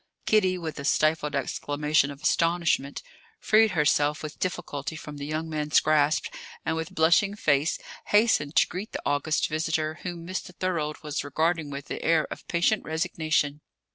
Kitty, with a stifled exclamation of astonishment, freed herself with difficulty from the young man's grasp, and, with blushing face, hastened to greet the august visitor, whom Mr. Thorold was regarding with an air of patient resignation.